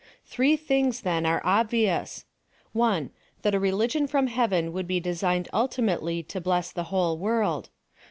Three things, then, are obvious: 1. That a religion from heaven would be designed ultimately to bless the whole world.